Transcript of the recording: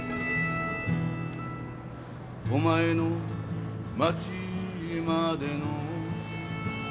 「お前の町までの」